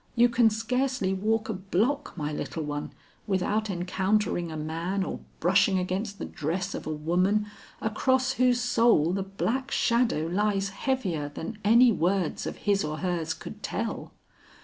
You can scarcely walk a block, my little one, without encountering a man or brushing against the dress of a woman across whose soul the black shadow lies heavier than any words of his or hers could tell.